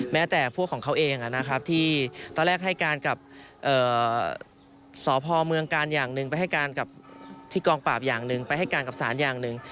แต่พวกของเขาเองนะครับที่ตอนแรกให้การกับสพเมืองกาลอย่างหนึ่งไปให้การกับที่กองปราบอย่างหนึ่งไปให้การกับสารอย่างหนึ่ง